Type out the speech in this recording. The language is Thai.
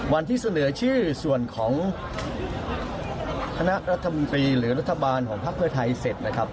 วันที่เสนอชื่อส่วนของคณะรัฐมนตรีหรือรัฐบาลของพักเพื่อไทยเสร็จนะครับ